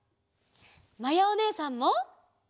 まやおねえさんも！